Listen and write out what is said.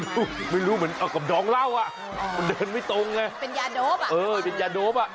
เป็นยาโดบ